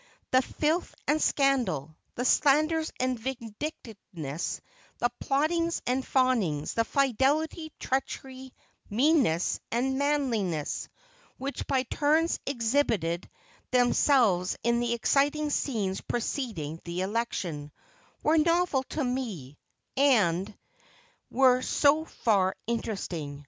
The filth and scandal, the slanders and vindictiveness, the plottings and fawnings, the fidelity, treachery, meanness and manliness, which by turns exhibited themselves in the exciting scenes preceding the election, were novel to me, and were so far interesting.